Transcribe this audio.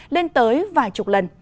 lên tới vài chục lần